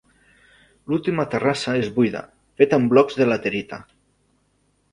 L'última terrassa és buida, feta amb blocs de laterita.